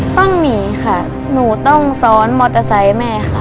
ต้องหนีค่ะหนูต้องซ้อนมอเตอร์ไซค์แม่ค่ะ